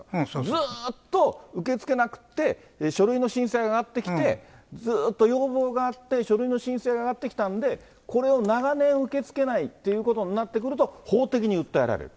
ずっと受け付けなくって、書類の申請が上がってきて、ずっと要望があって、書類の申請が上がってきたんで、これを長年受け付けないということになってくると法的に訴えられる。